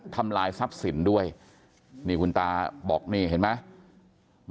ทำลายทรัพย์สินด้วยนี่คุณตาบอกนี่เห็นไหม